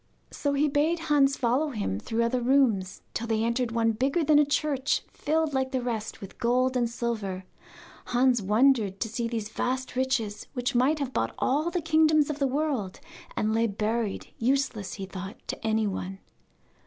So he bade Hans follow him through other rooms, till they entered one bigger than a church, filled, like the rest, with gold and silver. Hans wondered to see these vast riches, which might have bought all the kingdoms of the world, and lay buried, useless, he thought, to anyone.